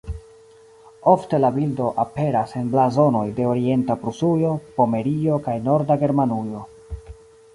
Ofte la bildo aperas en blazonoj de Orienta Prusujo, Pomerio kaj Norda Germanujo.